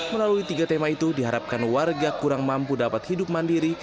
melalui tiga tema itu diharapkan warga kurang mampu dapat hidup mandiri